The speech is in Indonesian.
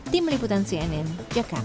tim liputan cnn jakarta